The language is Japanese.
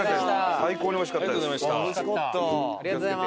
最高においしかったです。